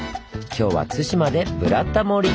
今日は対馬で「ブラタモリ」！